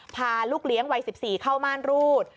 พาลูกเลี้ยงวัย๑๔เข้าม่านรูด